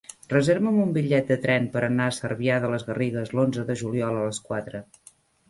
Reserva'm un bitllet de tren per anar a Cervià de les Garrigues l'onze de juliol a les quatre.